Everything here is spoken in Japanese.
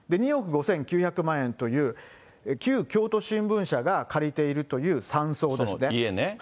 ２億５９００万円という旧京都新聞社が借りているという山荘ですね。